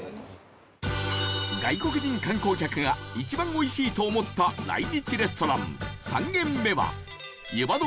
外国人観光客が一番おいしいと思った来日レストラン３軒目は湯葉丼